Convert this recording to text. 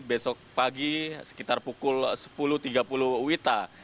besok pagi sekitar pukul sepuluh tiga puluh wita